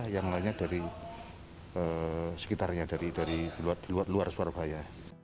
yang lainnya dari sekitarnya dari luar surabaya